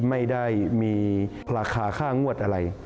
ไม่ได้มีราคาค่างวดอะไร